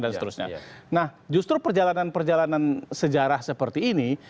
nah justru perjalanan perjalanan sejarah seperti ini